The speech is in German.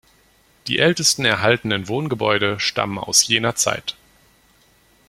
Die ältesten erhaltenen Wohngebäude stammen aus jener Zeit.